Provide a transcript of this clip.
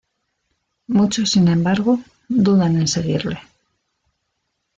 Muchos sin embargo, dudan en seguirle.